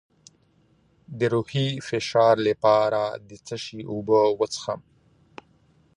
د روحي فشار لپاره د څه شي اوبه وڅښم؟